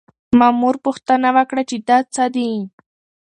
مامور پوښتنه وکړه چې دا څه دي؟